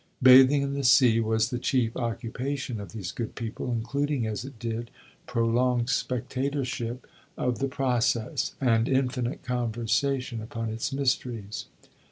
Bathing in the sea was the chief occupation of these good people, including, as it did, prolonged spectatorship of the process and infinite conversation upon its mysteries.